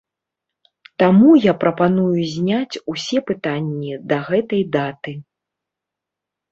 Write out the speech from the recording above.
Таму я прапаную зняць усе пытанні да гэтай даты.